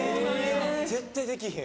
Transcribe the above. ・絶対できひん。